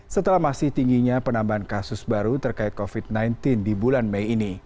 setelah masih tingginya penambahan kasus baru terkait covid sembilan belas di bulan mei ini